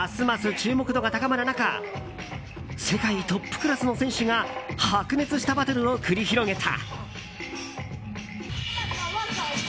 注目度が高まる中世界トップクラスの選手が白熱したバトルを繰り広げた。